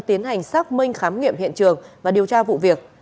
tiến hành xác minh khám nghiệm hiện trường và điều tra vụ việc